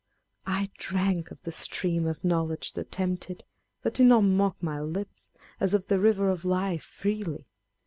I drank of the stream of knowledge that tempted, but did not mock my lips, as of the river of life, freely.